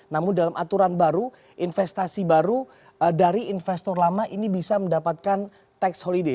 namun dalam aturan baru investasi baru dari investor lama ini bisa mendapatkan tax holiday